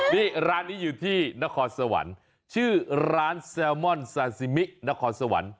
นี่ร้านนี้อยู่ที่นครสวรรค์ชื่อร้านแซลมอนซาซิมินครสวรรค์